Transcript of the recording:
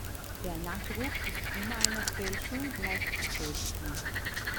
Der Nachdruck ist immer einer Fälschung gleichzusetzen.